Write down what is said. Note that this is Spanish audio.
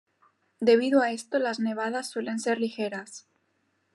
Debido a esto las nevadas suelen ser ligeras.